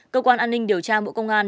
cơ quan an ninh điều tra bộ công an